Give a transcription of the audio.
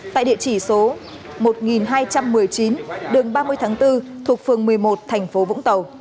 tại địa chỉ số một nghìn hai trăm một mươi chín đường ba mươi tháng bốn thuộc phường một mươi một thành phố vũng tàu